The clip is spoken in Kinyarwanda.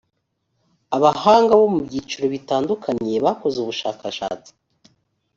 abahanga bo mu byiciro bitandukanye bakoze ubushakashatsi